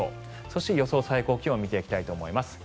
そして、予想最高気温見ていきたいと思います。